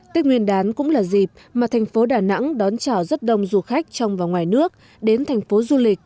tết nguyên đán cũng là dịp mà thành phố đà nẵng đón chào rất đông du khách trong và ngoài nước đến thành phố du lịch